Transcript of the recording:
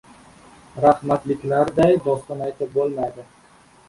Rahmatliklarday doston aytib bo‘lmaydi.